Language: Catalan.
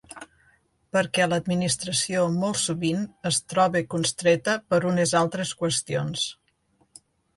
Perquè l’administració molt sovint es troba constreta per unes altres qüestions.